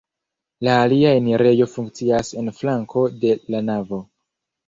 La alia enirejo funkcias en flanko de la navo.